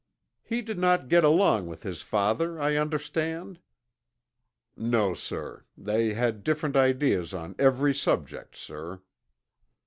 "He did not get along with his father, I understand?" "No, sir. They had different ideas on every subject, sir."